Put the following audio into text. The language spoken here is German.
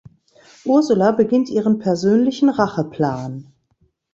Ursula beginnt ihren persönlichen Racheplan.